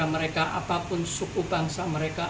mereka apapun suku bangsa mereka